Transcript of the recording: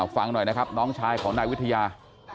ฟังหน่อยครับน้องของชายนายวิทยา